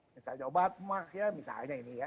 misalnya obat emas ya